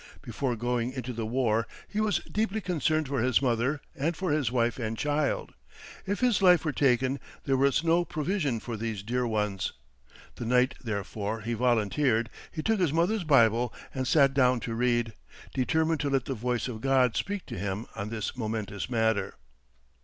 Before going into the war, he was deeply concerned for his mother and for his wife and child. If his life were taken, there was no provision for these dear ones. The night, therefore, he volunteered, he took his mother's Bible and sat down to read, determined to let the voice of God speak to him on this momentous matter.